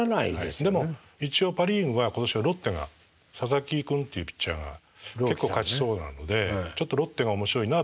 でも一応パ・リーグは今年はロッテが佐々木君っていうピッチャーが結構勝ちそうなのでちょっとロッテが面白いなと思います。